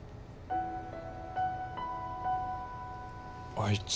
あいつ。